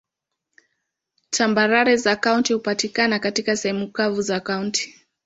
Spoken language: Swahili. Tambarare za kaunti hupatikana katika sehemu kavu za kaunti.